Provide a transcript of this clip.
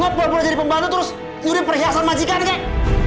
lo puan puan jadi pembantu terus nyuri perhiasan majikan kek